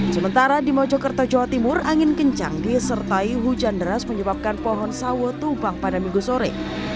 sementara di mojokerto jawa timur angin kencang disertai hujan deras menyebabkan pohon sawo tubang pada minggu sore